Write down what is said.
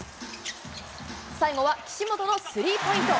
最後は岸本のスリーポイント。